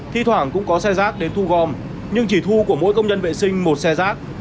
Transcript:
thi thoảng cũng có xe rác đến thu gom nhưng chỉ thu của mỗi công nhân vệ sinh một xe rác